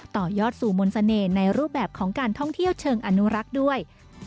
ต่อยอดสู่มนต์เสน่ห์ในรูปแบบของการท่องเที่ยวเชิงอนุรักษ์ด้วย